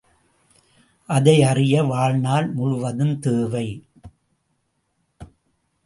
அதை அறிய வாழ்நாள் முழுவதும் தேவை.